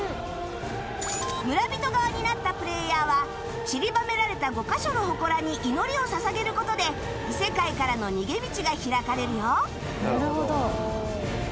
村人側になったプレイヤーはちりばめられた５カ所の祠に祈りを捧げる事で異世界からの逃げ道が開かれるよ